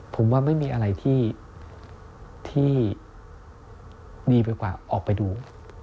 ผมว่าไม่มีอะไรที่ดีไปกว่าออกไปดู